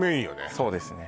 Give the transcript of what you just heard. そうですね